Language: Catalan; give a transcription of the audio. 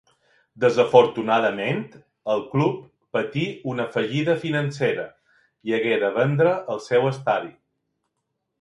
Desafortunadament el club patí una fallida financera i hagué de vendre el seu estadi.